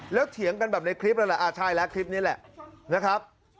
แล้วเถียงกันแบบในคลิปนั่นแหละอ่าใช่แล้วคลิปนี้แหละนะครับ